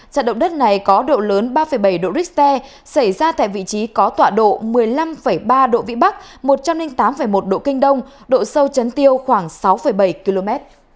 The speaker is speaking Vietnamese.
trận động đất này có độ lớn ba bảy độ richter xảy ra tại vị trí có tọa độ một mươi năm ba độ vĩ bắc một trăm linh tám một độ kinh đông độ sâu chấn tiêu khoảng sáu bảy km